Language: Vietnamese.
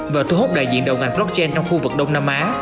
và thu hút đại diện đầu ngành blockchain trong khu vực đông nam á